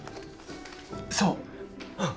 そう！